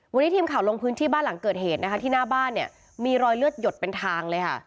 วันนี้ทีมข่าวลงพื้นที่บ้านหลังเกิดเหตุนะคะที่หน้าบ้านเนี่ยมีรอยเลือดหยดเป็นทางเลยค่ะ